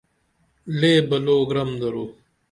لے بلو گرم درو